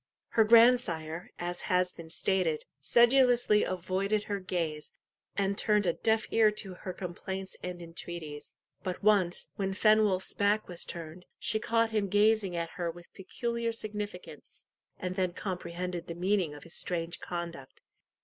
Her grandsire, as has been stated, sedulously avoided her gaze, and turned a deaf ear to her complaints and entreaties. But once, when Fenwolf's back was turned, she caught him gazing at her with peculiar significance, and then comprehended the meaning of his strange conduct.